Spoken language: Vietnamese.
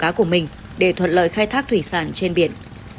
cá của mình để thuận lợi khai thác thủy sản trên biển